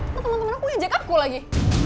temen temen aku yang jack up ku lagi